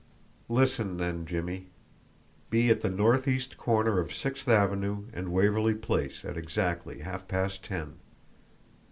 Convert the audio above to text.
"Listen, then, Jimmie: Be at the northeast corner of Sixth Avenue and Waverly Place at exactly half past ten.